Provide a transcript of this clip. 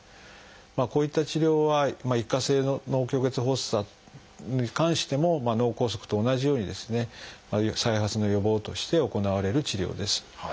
こういった治療は一過性脳虚血発作に関しても脳梗塞と同じようにですね再発の予防として行われる治療です。